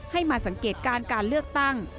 ให้มาสังเกตการณ์การเลือกตั้ง